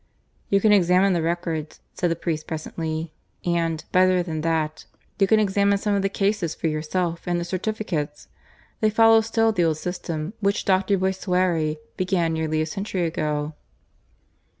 "You can examine the records," said the priest presently; "and, better than that, you can examine some of the cases for yourself, and the certificates. They follow still the old system which Dr. Boissarie began nearly a century ago."